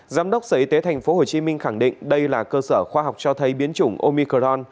giám đốc sở y tế tp hcm khẳng định đây là cơ sở khoa học cho thấy biến chủng omicron